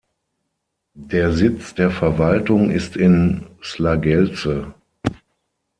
Der Sitz der Verwaltung ist in Slagelse.